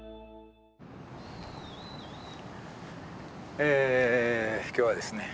え今日はですね